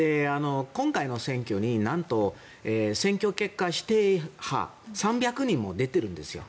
今回の選挙になんと選挙結果否定派が３００人も出てるんですよ。